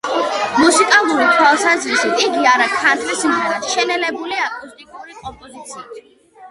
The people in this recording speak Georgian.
მუსიკალური თვალსაზრისით იგი არის ქანთრი სიმღერა, შენელებული აკუსტიკური კომპოზიციით.